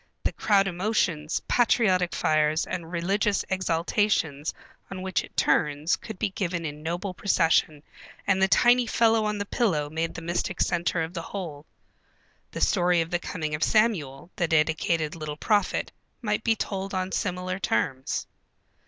The crowd emotions, patriotic fires, and religious exaltations on which it turns could be given in noble procession and the tiny fellow on the pillow made the mystic centre of the whole. The story of the coming of Samuel, the dedicated little prophet, might be told on similar terms.